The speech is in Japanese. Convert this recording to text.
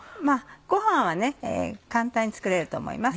ごはんは簡単に作れると思います。